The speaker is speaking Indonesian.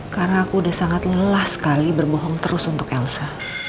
karena aku udah sangat lelah sekali berbohong terus untuk elsa